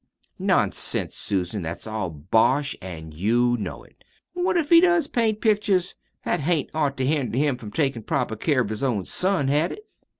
"Nonsense, Susan! That's all bosh, an' you know it. What if he does paint pictures? That hadn't ought to hinder him from takin' proper care of his own son, had it?"